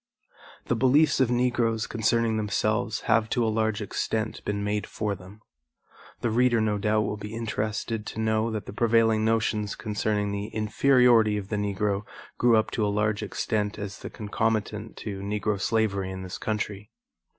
The beliefs of Negroes concerning themselves have to a large extent been made for them. The reader no doubt will be interested to know that the prevailing notions concerning the inferiority of the Negro grew up to a large extent as the concomitant to Negro slavery in this country.